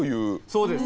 そうです。